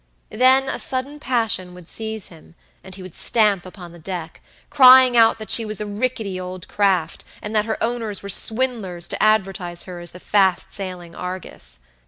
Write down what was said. Then a sudden passion would seize him, and he would stamp upon the deck, crying out that she was a rickety old craft, and that her owners were swindlers to advertise her as the fast sailing Argus.